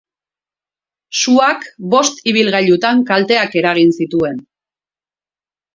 Suak bost ibilgailutan kalteak eragin zituen.